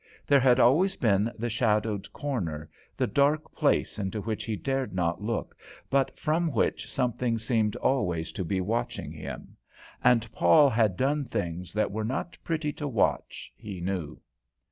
There had always been the shadowed corner, the dark place into which he dared not look, but from which something seemed always to be watching him and Paul had done things that were not pretty to watch, he knew.